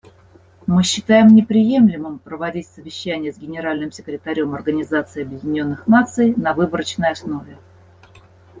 Мы считает неприемлемым проводить совещания с Генеральным секретарем Организации Объединенных Наций на выборочной основе.